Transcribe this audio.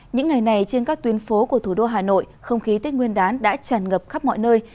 những ngày này trên các tuyến phố của thủ đô hà nội không khí tết nguyên đán đã tràn ngập khắp mọi nơi